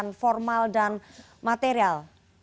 yang formal dan material